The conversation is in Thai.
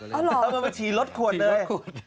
ผมก็ลืมอ่ะชีรถขวนเลยชีรถขวน